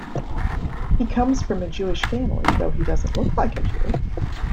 He comes from a Jewish family, though doesn't look like a Jew.